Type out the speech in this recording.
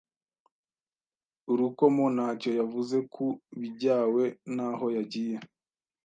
Rukomo ntacyo yavuze ku bijyae n'aho yagiye.